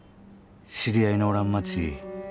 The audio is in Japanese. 知り合いのおらん街